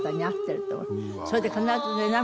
それで必ずね涙